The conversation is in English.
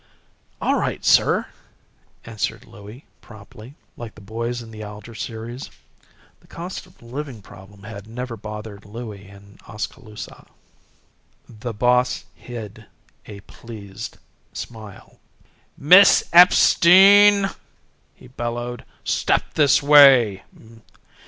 "All right, sir," answered Louie, promptly, like the boys in the Alger series. The cost of living problem had never bothered Louie in Oskaloosa. The boss hid a pleased smile. "Miss Epstein!" he bellowed, "step this way!